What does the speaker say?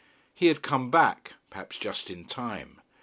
He had come back, perhaps just in time.